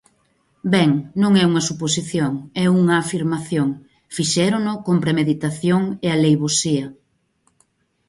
Ben, non é unha suposición, é unha afirmación: fixérono con premeditación e aleivosía.